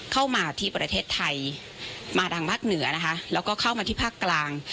เข้ามาที่ประเทศไทยมาทางภาคเหนือนะคะแล้วก็เข้ามาที่ภาคกลาง